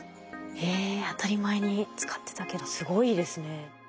当たり前に使ってたけどすごいですね。